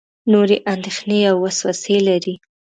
نورې اندېښنې او وسوسې لري.